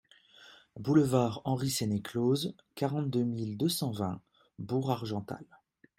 Boulevard Henri Sénéclauze, quarante-deux mille deux cent vingt Bourg-Argental